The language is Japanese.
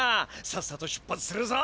さっさと出発するぞ。